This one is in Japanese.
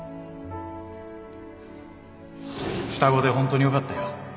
双子でホントによかったよ